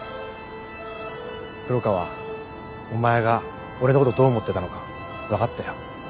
黒川お前が俺のことどう思ってたのか分かったよ。